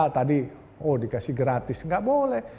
tadi oh dikasih gratis nggak boleh